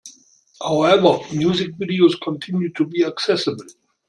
However, music videos continue to be accessible.